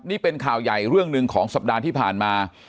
นี่เป็นข่าวใหญ่เรื่องหนึ่งของสัปดาห์ที่ผ่านมา